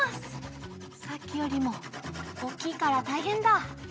さっきよりもおっきいからたいへんだ！